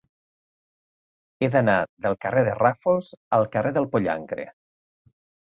He d'anar del carrer de Ràfols al carrer del Pollancre.